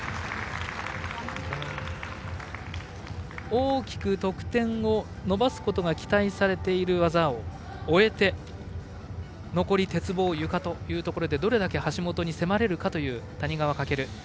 大きく得点を伸ばすことが期待されている技を終えて残り跳馬、ゆかというところでどれだけ橋本に迫れるかという谷川翔。